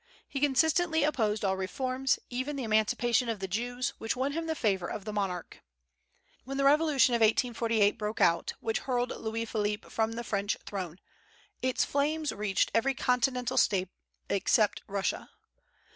He consistently opposed all reforms, even the emancipation of the Jews, which won him the favor of the monarch. When the revolution of 1848 broke out, which hurled Louis Philippe from the French throne its flames reached every continental State except Russia.